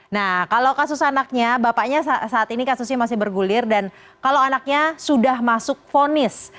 nah kalau kasus anaknya bapaknya saat ini kasusnya masih bergulir dan kalau anaknya sudah masuk fonis